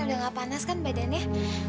udah gak panas kan badannya